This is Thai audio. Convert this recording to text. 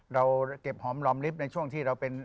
เราเก็บหอมรอมลิฟต์ในช่วงที่เราเป็น